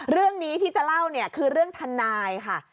เรื่องนี้ที่จะเล่าเนี่ยคือเรื่องทนายค่ะ